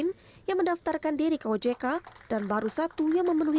ojk mencatat sejauh ini baru empat puluh perusahaan teknologi